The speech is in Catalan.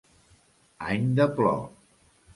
Any de plor.